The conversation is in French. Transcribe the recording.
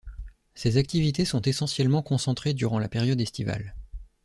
Ces activités sont essentiellement concentrées durant la période estivale.